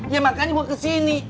ya makanya gue kesini